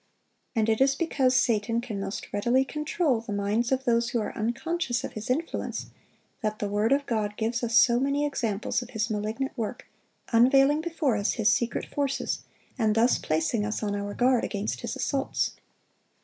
And it is because Satan can most readily control the minds of those who are unconscious of his influence, that the word of God gives us so many examples of his malignant work, unveiling before us his secret forces, and thus placing us on our guard against his assaults.